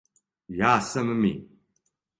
Ја сам ми!